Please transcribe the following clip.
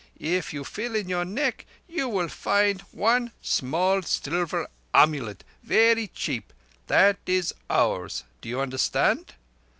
If you feel in your neck you will find one small silver amulet, verree cheap. That is ours. Do you understand?"